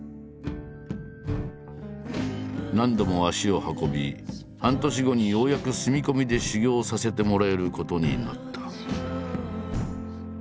何度も足を運び半年後にようやく住み込みで修業させてもらえることになった。